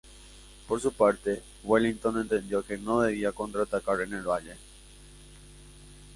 Por su parte, Wellington entendió que no debía contraatacar en el valle.